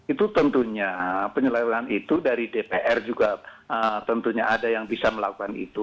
itu tentunya penyelewengan itu dari dpr juga tentunya ada yang bisa melakukan itu